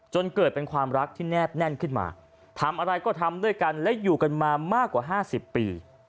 จนเกิดเป็นความรักที่แนบแน่นขึ้นมาทำอะไรก็ทำด้วยกันและอยู่กันมามากกว่า๕๐ปี